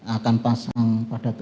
akan pasang pada